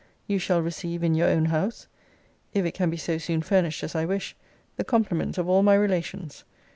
You shall receive in your own house (if it can be so soon furnished as I wish) the compliments of all my relations.